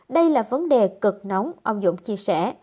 đây là vấn đề cực nóng ông dũng chia sẻ